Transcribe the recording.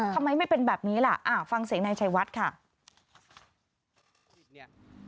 ทำไมไม่เป็นแบบนี้ล่ะฟังเสียงนายชัยวัดค่ะ